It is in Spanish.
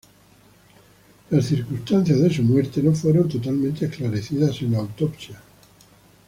Las circunstancias de su muerte no fueron totalmente esclarecidas en la autopsia.